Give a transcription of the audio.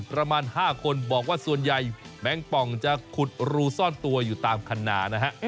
ประมาณ๕คนบอกว่าส่วนใหญ่แบงค์ป่องจะขุดรูซ่อนตัวอยู่ตามคันนานะฮะ